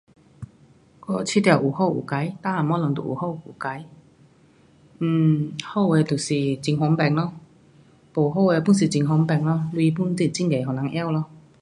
我觉得有好有坏，全部有好有坏 um 好的就是很方便，不好的 pun 是很方便。